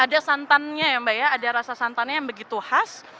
ada santannya ya mbak ya ada rasa santannya yang begitu khas